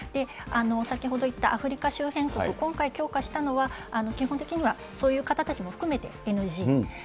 先ほど言ったアフリカ周辺国、今回、強化したのは、基本的にはそういう方たちも含めて、ＮＧ。